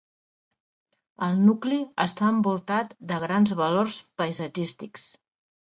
El nucli està envoltat de grans valors paisatgístics.